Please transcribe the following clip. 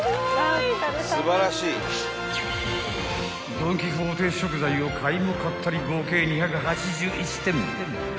［ドン・キホーテ食材を買いも買ったり合計２８１点］